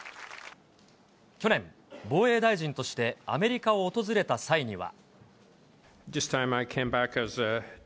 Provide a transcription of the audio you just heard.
去年、防衛大臣としてアメリカを訪れた際には。